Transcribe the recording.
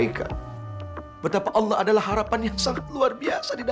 yang cepat menjadi perhubungan mintas serta tekam utinya